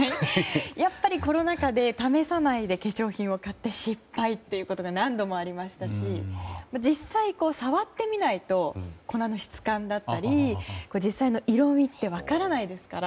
やっぱりコロナ禍で試さないで化粧品を買って失敗ということが何度もありましたし実際、触ってみないと粉の質感だったり実際の色みって分からないですから